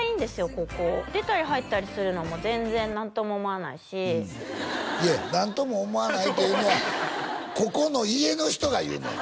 ここ出たり入ったりするのも全然何とも思わないしいや何とも思わないっていうのはここの家の人が言うねん！